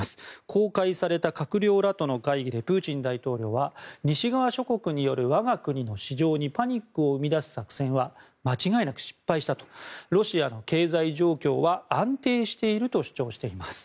公開された閣僚らとの会議でプーチン大統領は西側諸国による我が国の市場にパニックを生み出す作戦は間違いなく失敗したロシアの経済状況は安定していると主張しています。